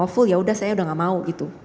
awful ya sudah saya sudah tidak mau